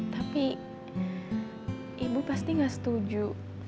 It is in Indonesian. tapi ibu pasti gak setuju